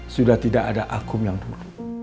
sudah tidak ada akum yang mulia